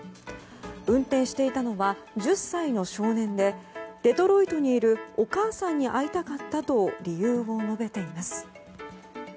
運転していたのは１０歳の少年でデトロイトにいるお母さんに会いたかったと理由を述べています。